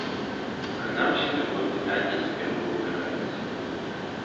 Прынамсі, такое пытанне цяпер вывучаецца.